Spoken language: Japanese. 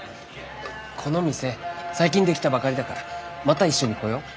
この店最近出来たばかりだからまた一緒に来よう。